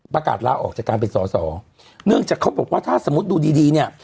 ประกาศลาออกจากการเป็นสอสอเนื่องจากเขาบอกว่าถ้าสมมุติดูดีดีเนี่ย